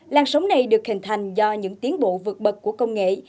làn sóng này được hình thành do những tiến bộ vượt bật của công nghệ